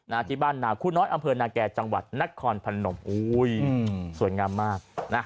ที่บ้านนาคู่น้อยอำเภอนาแก่จังหวัดนครพนมอุ้ยสวยงามมากนะ